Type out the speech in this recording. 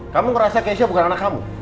kamu ngerasa keisha bukan anak kamu